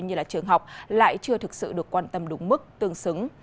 như là trường học lại chưa thực sự được quan tâm đúng mức tương xứng